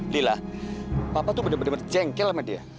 lila papa tuh bener bener jengkel sama dia